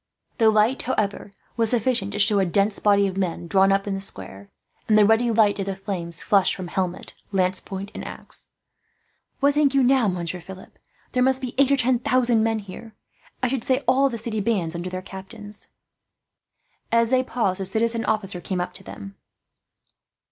The light, however, was sufficient to show a dense body of men drawn up in the square, and the ruddy light of the flames flashed from helmet, lance point, and axe. "What think you now, Monsieur Philip? There must be eight or ten thousand men here. I should say all the city bands, under their captains." As they paused, a citizen officer came up to them.